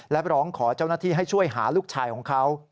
และร้องขอเจ้าหน้าที่ให้ช่วยหาลูกชายของเขา